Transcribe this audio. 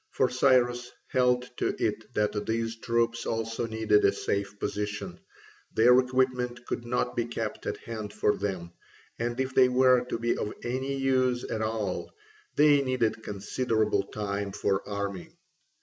For Cyrus held to it that these troops also needed a safe position: their equipment could not be kept at hand for them, and if they were to be of any use at all they needed considerable time for arming.